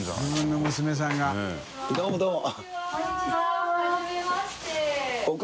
どうもどうも。